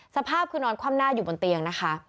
สภาพคือนอนคว่ำหน้าอยู่บนเตียงนะคะ